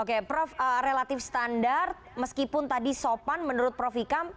oke prof relatif standar meskipun tadi sopan menurut prof ikam